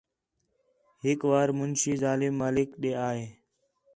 ہِک وار مُنشی ظالم مالک ݙے آ ہے